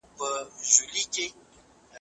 تل دې وي پښتونخوا.